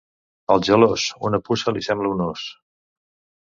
Al gelós, una puça li sembla un ós.